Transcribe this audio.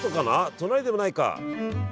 隣でもないか。